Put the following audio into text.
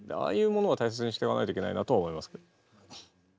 ああいうものは大切にしていかないといけないなと思いますけど。